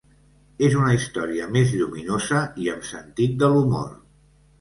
És una història més lluminosa i amb sentit de l'humor.